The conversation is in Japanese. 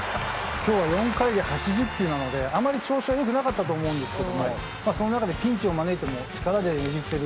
今日は４回で８０球なのであまり調子は良くなかったと思うんですけどもその中でピンチを招いても力でねじ伏せる。